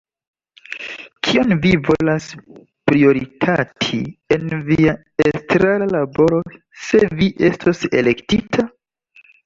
Kion vi volas prioritati en via estrara laboro, se vi estos elektita?